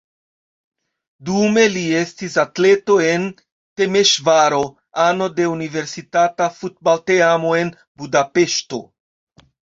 Dume li estis atleto en Temeŝvaro, ano de universitata futbalteamo en Budapeŝto.